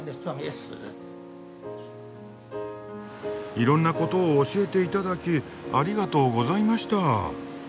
いろんなことを教えていただきありがとうございました。